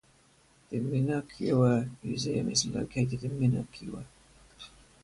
The Minocqua Museum is located in Minocqua.